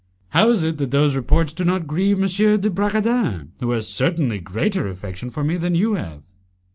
"How is it that those reports do not grieve M. de Bragadin, who has certainly greater affection for me than you have?"